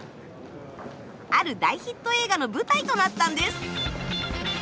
ある大ヒット映画の舞台となったんです。